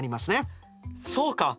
そうか！